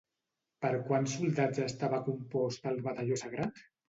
Per quants soldats estava compost el Batalló Sagrat?